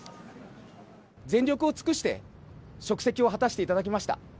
全力を尽くして職責を果たしていただきました。